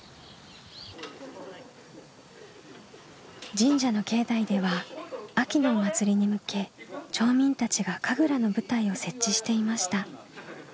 神社の境内では秋のお祭りに向け町民たちが神楽の舞台を設置していました。